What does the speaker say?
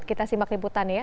kita simak liputannya ya